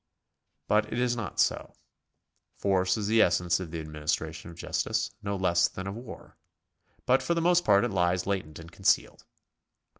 But it is not so. Force is the essence of the administration of justice, no less than of war ; but for the most part it lies latent and concealed.